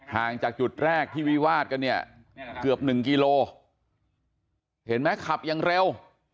ห่างจากจุดแรกที่วิวาดกันเนี่ยเกือบหนึ่งกิโลเห็นไหมขับอย่างเร็ว